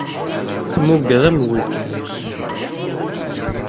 Tmugeḍ am weltma-k.